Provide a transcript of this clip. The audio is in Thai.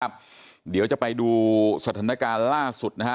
เดี๋ยวจะไปดูสถานการณ์ล่าสุดนะฮะ